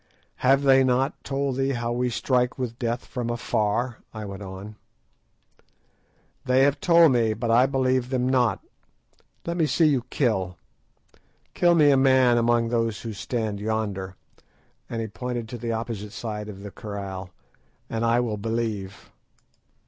"Have they not told thee how we strike with death from afar?" I went on. "They have told me, but I believe them not. Let me see you kill. Kill me a man among those who stand yonder"—and he pointed to the opposite side of the kraal—"and I will believe."